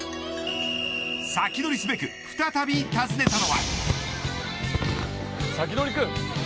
サキドリすべく再び訪ねたのは。